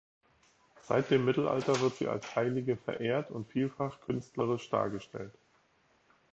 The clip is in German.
Seit dem Mittelalter wird sie als Heilige verehrt und vielfach künstlerisch dargestellt.